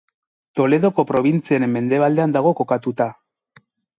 Toledoko probintziaren mendebaldean dago kokatuta.